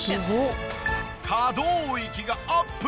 可動域がアップ！